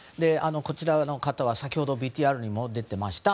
こちらの方は先ほどＶＴＲにも出ていました